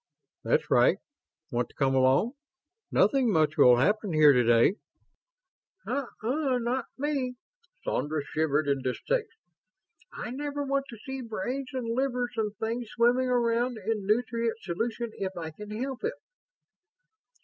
"That's right. Want to come along? Nothing much will happen here today." "Uh uh, not me." Sandra shivered in distaste. "I never want to see brains and livers and things swimming around in nutrient solution if I can help it."